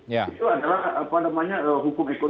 itu adalah apa namanya hukum ekonomi